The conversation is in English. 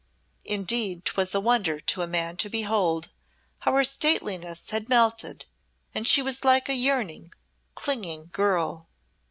Indeed 'twas a wonder to a man to behold how her stateliness had melted and she was like a yearning, clinging girl.